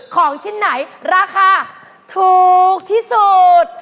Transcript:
ของชิ้นไหนราคาถูกที่สุด